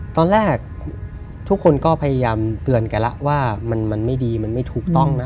ตอนแรกทุกคนก็พยายามเตือนกันแล้วว่ามันไม่ดีมันไม่ถูกต้องนะ